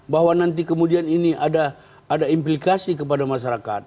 bahwa nanti kemudian ini ada implikasi kepada masyarakat